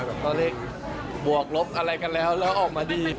ตัวเลขบวกลบอะไรกันแล้วแล้วออกมาดี